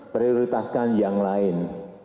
prioritaskan yang lain